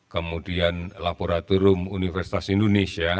kemudian laboratorium universitas indonesia